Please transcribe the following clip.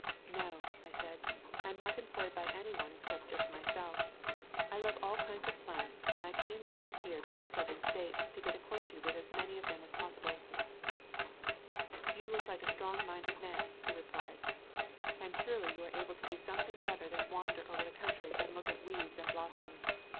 "No," I said, "I am not employed by any one except just myself. I love all kinds of plants, and I came down here to these Southern States to get acquainted with as many of them as possible." "You look like a strong minded man," he re plied, "and surely you are able to do something [ 23 ] A Thousand Mile Walk better than wander over the country and look at weeds and blossoms.